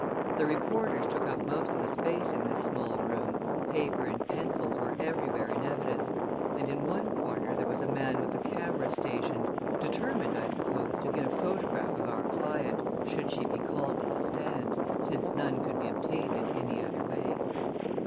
The reporters took up most of the space in this small room, paper and pencils were everywhere in evidence, and in one corner there was a man with a camera stationed, determined, I suppose, to get a photograph of our client, should she be called to the stand, since none could be obtained in any other way.